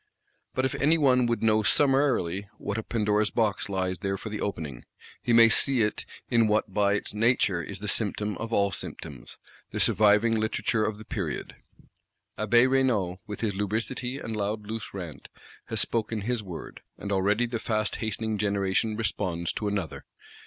But if any one would know summarily what a Pandora's Box lies there for the opening, he may see it in what by its nature is the symptom of all symptoms, the surviving Literature of the Period. Abbé Raynal, with his lubricity and loud loose rant, has spoken his word; and already the fast hastening generation responds to another.